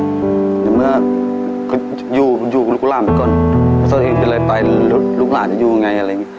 อย่างเมื่อคุณอยู่กับลูกร้านมันก็ตอนเองเป็นอะไรตายแล้วลูกร้านจะอยู่ยังไง